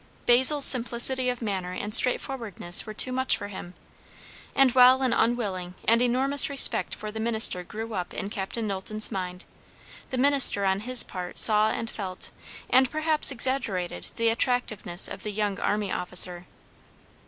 Basil's simplicity of manner and straightforwardness were too much for him. And while an unwilling and enormous respect for the minister grew up in Captain Knowlton's mind, the minister on his part saw and felt, and perhaps exaggerated, the attractiveness of the young army officer.